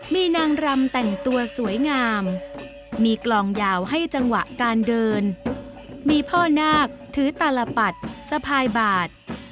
มีนางรำแต่งตัวสวยงามมีกลองยาวให้จังหวะการเดินมีพ่อนาคถือตาลปัดสะพายบาท